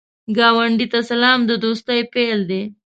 ګاونډي ته سلام، د دوستۍ پیل دی